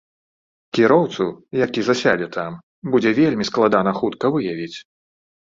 Кіроўцу, які засядзе там, будзе вельмі складана хутка выявіць.